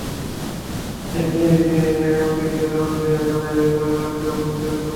র্যাঙ্কিংয়ের দ্বিতীয় হল্যান্ড এবং তৃতীয় জার্মানি সেমিফাইনালে হেরে যাওয়ায় লড়েছে ব্রোঞ্জের জন্য।